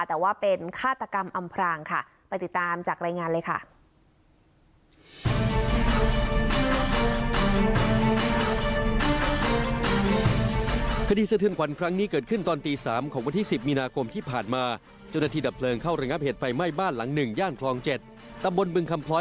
แต่ว่าเป็นฆาตกรรมอำพรางค่ะไปติดตามจากรายงานเลยค่ะ